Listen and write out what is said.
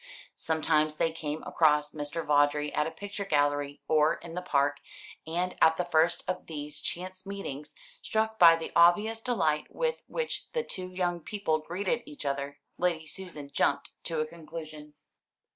Sometimes they came across Mr. Vawdrey at a picture gallery or in the Park; and at the first of these chance meetings, struck by the obvious delight with which the two young people greeted each other, Lady Susan jumped to a conclusion.